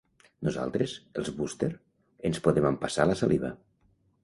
Nosaltres, els Wooster, ens podem empassar la saliva.